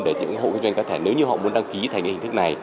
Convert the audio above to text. để những hộ kinh doanh cá thể nếu như họ muốn đăng ký thành hình thức này